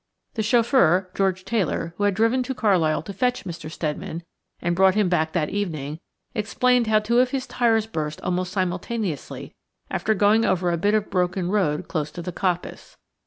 The chauffeur, George Taylor, who had driven to Carlisle to fetch Mr. Steadman, and brought him back that evening, explained how two of his tyres burst almost simultaneously after going over a bit of broken road close to the coppice.